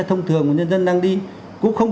thông thường của nhân dân đang đi cũng không